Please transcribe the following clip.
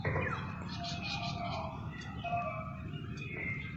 কোথায় সেই ঠাস-বুনোনি?